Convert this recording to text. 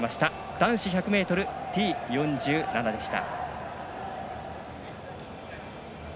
男子１００ｍＴ４７でした。